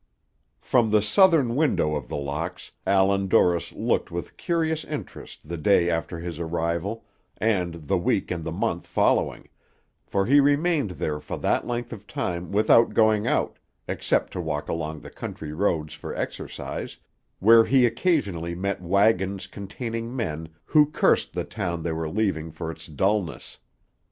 From the southern windows of The Locks, Allan Dorris looked with curious interest the day after his arrival, and the week and the month following, for he remained there for that length of time without going out, except to walk along the country roads for exercise, where he occasionally met wagons containing men who cursed the town they were leaving for its dullness.